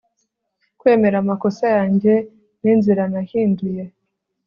kwemera amakosa yanjye n'inzira nahinduye